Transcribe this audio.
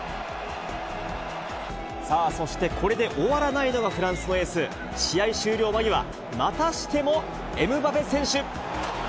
さあ、そしてこれで終わらないのがフランスのエース、試合終了間際、またしてもエムバペ選手。